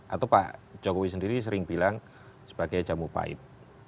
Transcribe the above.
atau pak jokowi sendiri sering bilang sebagai jamu pahit